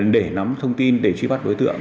để nắm thông tin để truy bắt đối tượng